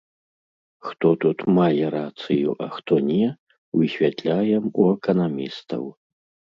Хто тут мае рацыю, а хто не, высвятляем у эканамістаў.